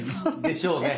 でしょうね。